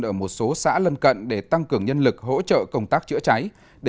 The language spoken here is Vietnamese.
ở một số xã lân cận để tăng cường nhân lực hỗ trợ công tác chữa cháy